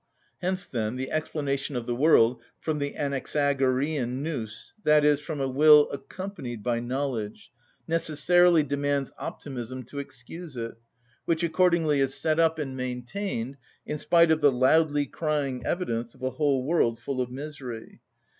Hence, then, the explanation of the world from the Anaxagorean νους, i.e., from a will accompanied by knowledge, necessarily demands optimism to excuse it, which accordingly is set up and maintained in spite of the loudly crying evidence of a whole world full of misery.